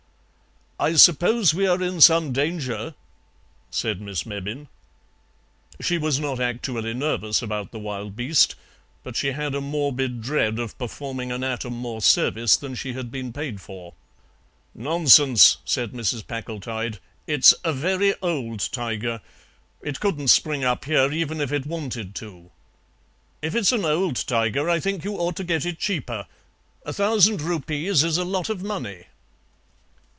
"I suppose we are in some danger?" said Miss Mebbin. She was not actually nervous about the wild beast, but she had a morbid dread of performing an atom more service than she had been paid for. "Nonsense," said Mrs. Packletide; "it's a very old tiger. It couldn't spring up here even if it wanted to." "If it's an old tiger I think you ought to get it cheaper. A thousand rupees is a lot of money."